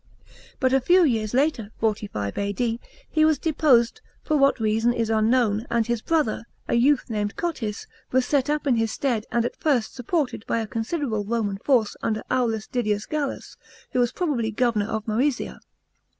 But a few years later (45 A.D.) he was deposed, for what reason is unknown, and his brother, a youth named Cotys, was set up in his stead and at first supported by a considerable Roman force under Aulus Didius Gallus, who was probably governor of Moesia.